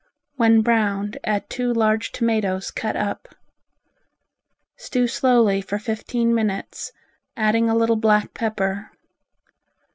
When browned add two large tomatoes cut up. Stew slowly fifteen minutes, adding a little black pepper.